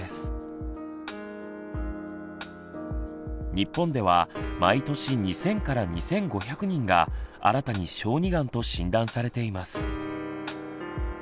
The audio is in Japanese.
日本では毎年２，０００２，５００人が新たに小児がんと診断されています。